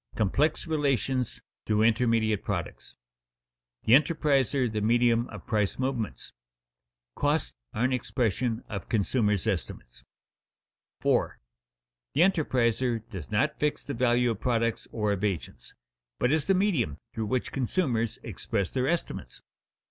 Complex Relations Through Intermediate Products_] [Sidenote: The enterpriser the medium of price movements] [Sidenote: Costs are an expression of consumers' estimates] 4. _The enterpriser does not fix the value of products or of agents, but is the medium through which consumers express their estimates.